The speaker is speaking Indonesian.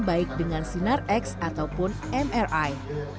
baik dengan sinar x ataupun mri